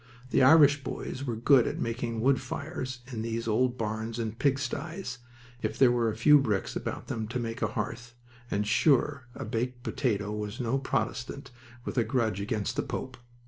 The Irish boys were good at making wood fires in these old barns and pigsties, if there were a few bricks about to make a hearth, and, sure, a baked potato was no Protestant with a grudge against the Pope.